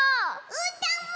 うーたんも！